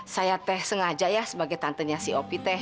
saya teh sengaja ya sebagai tantenya si opi teh